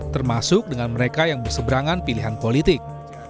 termasuk dengan mereka yang berseberangan pilihan politik